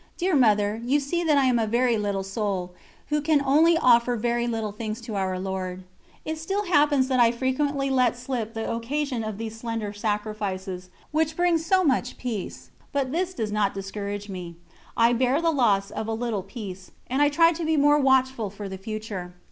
Dear Mother, you see that I am a very little soul, who can only offer very little things to Our Lord. It still happens that I frequently let slip the occasion of these slender sacrifices, which bring so much peace, but this does not discourage me; I bear the loss of a little peace, and I try to be more watchful for the future.